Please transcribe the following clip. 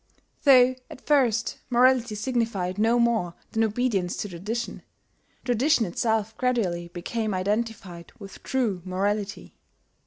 Though at first morality signified no more than obedience to tradition, tradition itself gradually became identified with true morality.